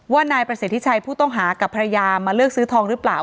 นายประสิทธิชัยผู้ต้องหากับภรรยามาเลือกซื้อทองหรือเปล่า